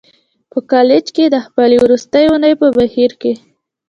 په کالج کې د خپلې وروستۍ اونۍ په بهير کې.